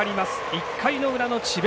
１回裏の智弁